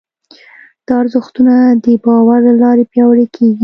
دا ارزښتونه د باور له لارې پياوړي کېږي.